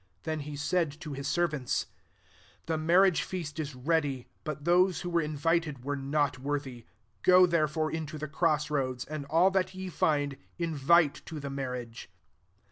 8 Then he said to his servant^ * The marriage feast is rea<fy^ but those who were invited wcra not worthy. 9 Go therefor^ into the cross roads, and al( that ye find, invite to the mar^ riage.'